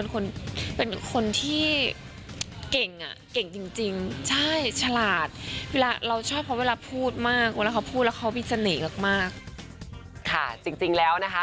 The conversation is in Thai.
จริงแล้วนะคะ